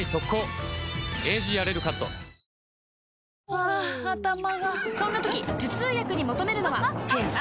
ハァ頭がそんな時頭痛薬に求めるのは？速さ？